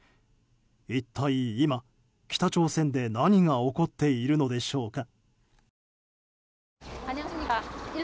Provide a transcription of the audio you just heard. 一体今、北朝鮮で何が起こっているのでしょうか。